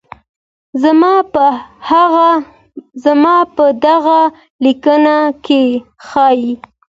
زما په دغه ليکنه کې ښايي